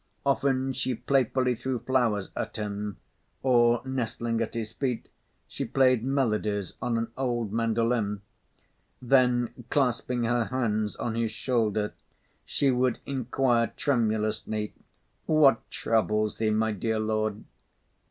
Often she playfully threw flowers at him or nestling at his feet, she played melodies on an old mandolin; then, clasping her hands on his shoulder, she would inquire tremulously: "What troubles thee, my dear lord?"